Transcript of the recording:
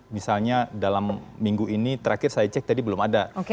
misalnya dalam minggu ini terakhir saya cek tadi belum ada